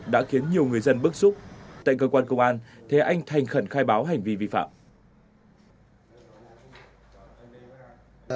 đã khiến nhiều người dân bức xúc tại cơ quan công an thế anh thành khẩn khai báo hành vi vi phạm